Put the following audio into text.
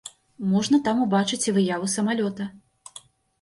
Можна там убачыць і выяву самалёта.